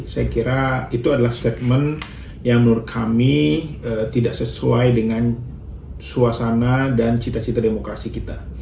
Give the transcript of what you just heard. saya kira itu adalah statement yang menurut kami tidak sesuai dengan suasana dan cita cita demokrasi kita